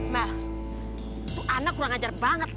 mel tuh anak kurang ajar banget